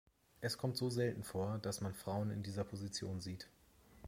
Es kommt so selten vor, dass man Frauen in dieser Position sieht.